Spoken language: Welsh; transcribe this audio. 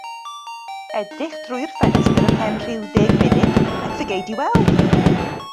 Edrych drwy'r ffenestr ymhen rhyw ddeg munud ac fe gei di weld.